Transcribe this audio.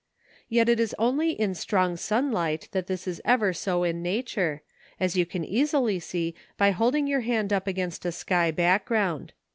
Yet it is only in strong sunlight that this is ever so in nature, as you can easily see by holding your hand up against a sky background.